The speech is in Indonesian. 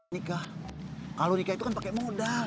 nikah kalau nikah itu kan pakai modal